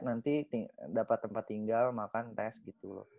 nanti dapat tempat tinggal makan tes gitu loh